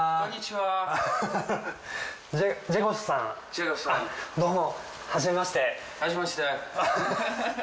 はじめまして。